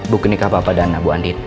buknikah bapak dan ibu andin